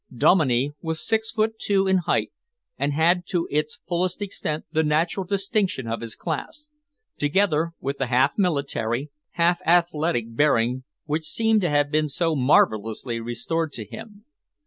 Dominey was six feet two in height and had to its fullest extent the natural distinction of his class, together with the half military, half athletic bearing which seemed to have been so marvellously restored to him.